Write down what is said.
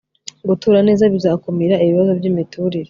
gutura neza bizakumira ibibazo by'imiturire